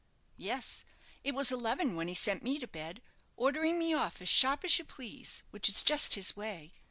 "Yes. It was eleven when he sent me to bed, ordering me off as sharp as you please, which is just his way.